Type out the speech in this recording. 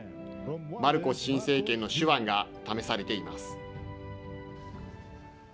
マルコス新政権の手腕が試されています。